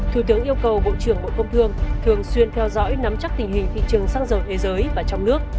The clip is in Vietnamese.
thủ tướng yêu cầu bộ trưởng bộ công thương thường xuyên theo dõi nắm chắc tình hình thị trường xăng dầu thế giới và trong nước